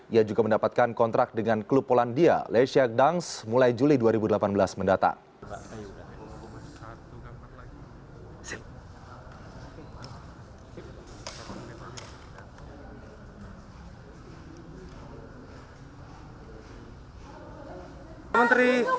ia juga mendapatkan kontrak dengan klub polandia leciak dance mulai juli dua ribu delapan belas mendatang